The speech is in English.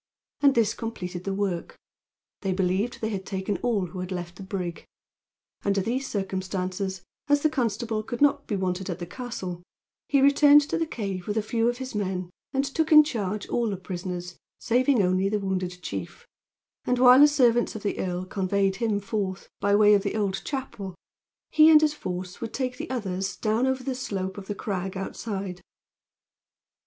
And this completed the work. They believed they had taken all who had left the brig. Under these circumstances, as the constable could not be wanted at the castle, he returned to the cave with a few of his men and took in charge all the prisoners, saving only the wounded chief; and while the servants of the earl conveyed him forth, by way of the old chapel, he and his force would take the others down over the slope of the crag, outside.